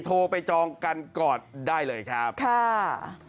โทรไปจองกันก่อนได้เลยครับค่ะ